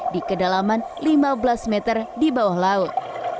di kedalaman lima belas meter di bawah laut